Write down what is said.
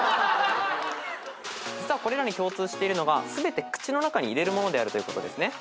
実はこれらに共通しているのが全て口の中に入れるものであるということですね。